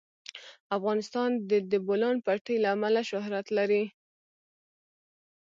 افغانستان د د بولان پټي له امله شهرت لري.